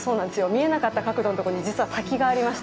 見えなかった角度のとこに実は滝がありました。